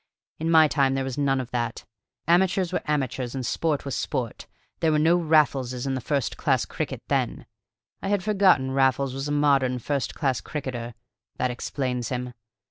In my time there was none of that. Amateurs were amateurs and sport was sport; there were no Raffleses in first class cricket then. I had forgotten Raffles was a modern first class cricketer: that explains him.